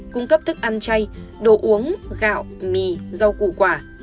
cung cấp thức ăn chay đồ uống gạo mì rau củ quả